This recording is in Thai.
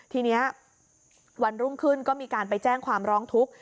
ทีนี้วันรุ่งขึ้นก็มีการไปแจ้งความร้องทุกข์